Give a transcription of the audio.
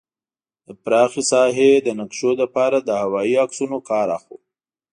د پراخه ساحو د نقشو لپاره له هوايي عکسونو کار اخلو